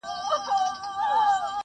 يو او بل ته په خبرو په كيسو سو !.